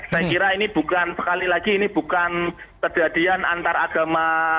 saya kira ini bukan sekali lagi ini bukan kejadian antar agama